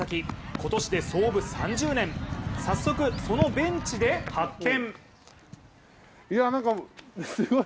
今年で創部３０年、早速、そのベンチで発見。